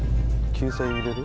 救済入れる？